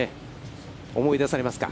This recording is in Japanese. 思い出されますか。